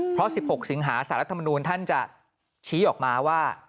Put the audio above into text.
เพราะ๑๖สิงหาสารรัฐมนูลท่านจะชี้ออกมาว่า